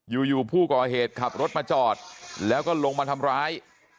อยู่ผู้ก่อเหตุขับรถมาจอดแล้วก็ลงมาทำร้าย